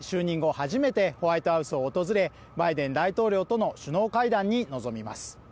初めてホワイトハウスを訪れバイデン大統領との首脳会談に臨みます。